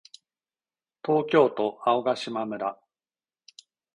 東京都青ヶ島村